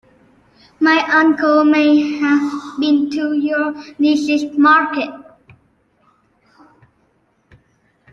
My uncle may have been to your niece's market.